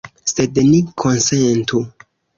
Sed ni konsentu.